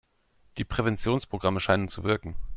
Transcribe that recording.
Die Präventionsprogramme scheinen zu wirken.